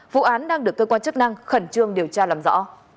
vụ án đang được cơ quan chức năng khẩn trương điều tra làm rõ